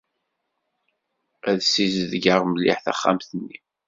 Ad d-ssizedgeɣ mliḥ taxxamt-nni.